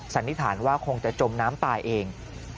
สันนิษฐานว่าคงจะจมน้ำตายเอง